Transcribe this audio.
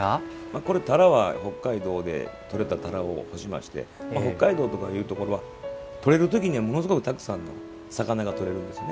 これ、たらは北海道でとれたたらを干しまして北海道とかというところは取れるときにはものすごくたくさんの魚が取れるんです。